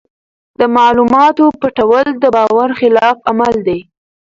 د معلوماتو پټول د باور خلاف عمل دی.